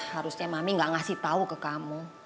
harusnya mami ga ngasih tau ke kamu